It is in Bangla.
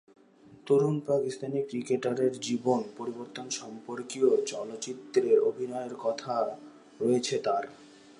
তরুণ পাকিস্তানি ক্রিকেটারের জীবন পরিবর্তন সম্পর্কীয় চলচ্চিত্রে অভিনয়ের কথা রয়েছে তার।